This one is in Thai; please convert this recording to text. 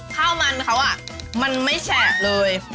ข้าวมันเขามันไม่แฉบเลย